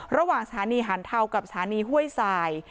ระหว่างสถานีหันเทากับสถานีห้วยสาย